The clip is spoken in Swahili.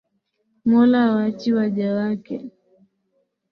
Mola hawaachi waja wake